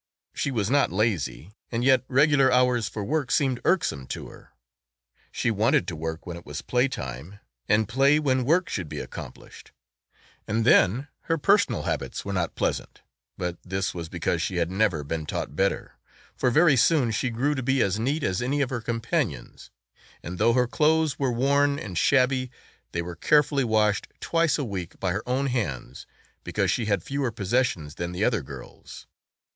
She was not lazy and yet regular hours for work seemed irksome to her; she wanted to work when it was play time and play when work should be accomplished, and then her personal habits were not pleasant; but this was because she had never been taught better, for very soon she grew to be as neat as any of her companions and though her clothes were worn and shabby they were carefully washed twice a week by her own hands because she had fewer possessions than the other girls.